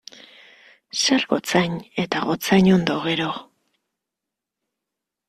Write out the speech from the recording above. Zer gotzain eta gotzainondo, gero?